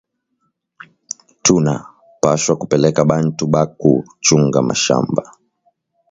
Tuna pashwa kupeleka bantu baku chunga mashamba